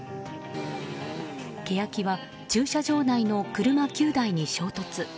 ケヤキは駐車場内の車９台に衝突。